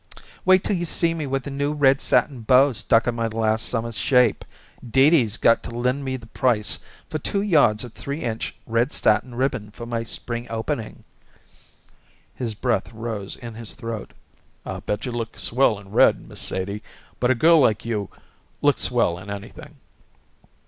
"Wait till you see me with a new red satin bow stuck on my last summer's shape. Dee Dee's got to lend me the price for two yards of three inch red satin ribbon for my spring opening." His breath rose in his throat. "I bet you look swell in red, Miss Sadie. But a girl like you looks swell in anything."